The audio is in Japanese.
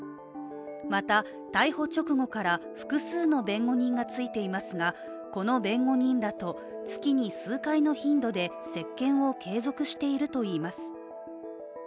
また、逮捕直後から複数の弁護人がついていますが、この弁護人らと月に数回の頻度で接見を継続しているといいます。